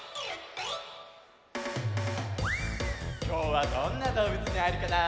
きょうはどんなどうぶつにあえるかな？